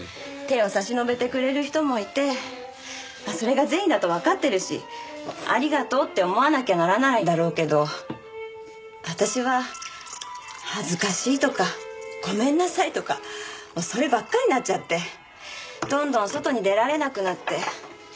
手を差し伸べてくれる人もいてまあそれが善意だとわかってるしありがとうって思わなきゃならないだろうけど私は恥ずかしいとかごめんなさいとかそればっかりになっちゃってどんどん外に出られなくなって。